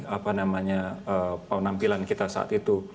apa namanya penampilan kita saat itu